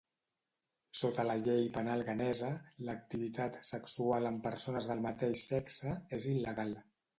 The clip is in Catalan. Sota la llei penal ghanesa, l'activitat sexual amb persones del mateix sexe és il·legal.